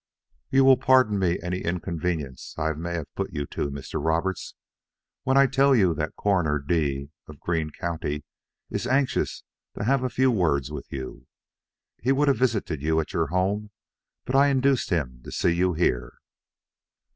"You will pardon me any inconvenience I may have put you to, Mr. Roberts, when I tell you that Coroner D of Greene County, is anxious to have a few words with you. He would have visited you at your home; but I induced him to see you here."